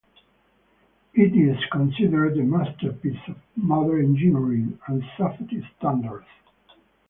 It is considered a masterpiece of modern engineering and safety standards.